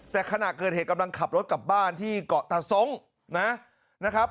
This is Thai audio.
แต่ขณะเกิดเหตุกำลังขับรถกลับบ้านที่เกาะตาทรงนะครับ